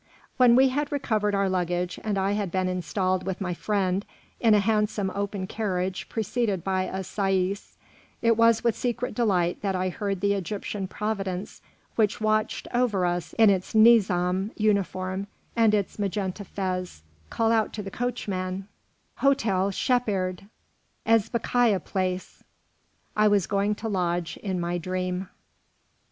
When we had recovered our luggage, and I had been installed with my friend in a handsome open carriage preceded by a saïs, it was with secret delight that I heard the Egyptian providence which watched over us in its Nizam uniform and its magenta fez, call out to the coachman, "Hotel Shepheard, Ezbekîyeh Place." I was going to lodge in my dream.